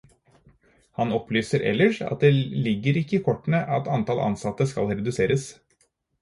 Han opplyser ellers at det ligger ikke i kortene at antall ansatte skal reduseres.